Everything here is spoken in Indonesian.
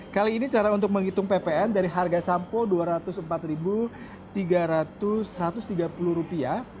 kali ini cara untuk menghitung pmp dari harga sampo dua ratus empat satu ratus tiga puluh rupiah